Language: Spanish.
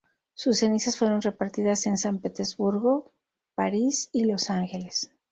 Sus cenizas fueron repartidas en San Petersburgo, París y Los Ángeles.